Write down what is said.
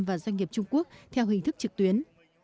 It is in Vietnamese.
và doanh nghiệp trung quốc theo hình thức trực tuyến